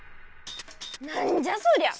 何じゃそりゃ！